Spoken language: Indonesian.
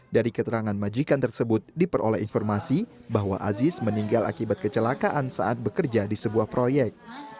dari keterangan majikan tersebut diperoleh informasi bahwa aziz meninggal akibat kecelakaan saat bekerja di sebuah proyek